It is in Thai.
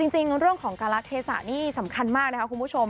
จริงเรื่องของการละเทศะนี่สำคัญมากนะคะคุณผู้ชม